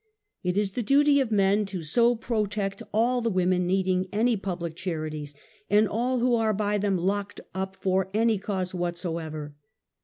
It is the duty of men to so protect all the women needing any public charities, and all who are by them locked up for any cause whatsoever.